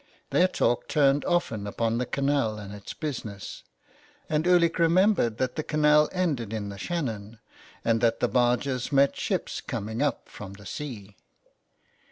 Their talk turned often upon the canal and its business, and Ulick remembered that the canal ended in the Shannon, and that the barges met ships coming up from the sea.